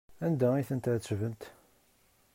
Anda ay ten-tɛettbemt?